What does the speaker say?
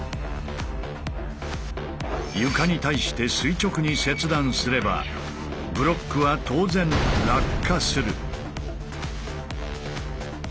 床に対して垂直に切断すればブロックは当然落下する。